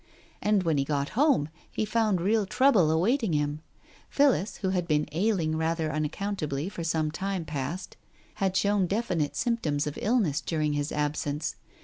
And when he got home he found real trouble awaiting him. Phillis, who had been ailing rather unaccountably for some time past, had shown definite symptoms of illness during his absence.